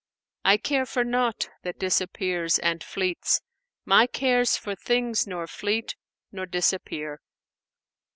I care for naught that disappears and fleets; * My care's for Things nor fleet nor disappear.'